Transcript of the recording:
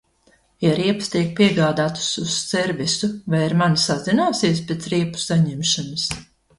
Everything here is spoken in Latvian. Ja riepas tiek piegādātas uz servisu, vai ar mani sazināsies pēc riepu saņemšanas?